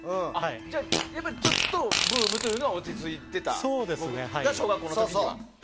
じゃあ、ちょっとブームは落ち着いてた、小学校の時には。